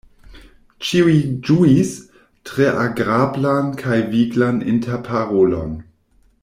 Ĉiuj ĝuis tre agrablan kaj viglan interparolon.